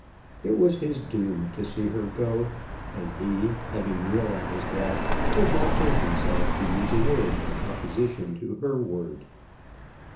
It was his doom to see her go, and he, having realized that, could not bring himself to use a word in opposition to her word.